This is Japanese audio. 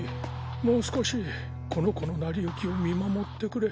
もう少しこの子の成り行きを見守ってくれ。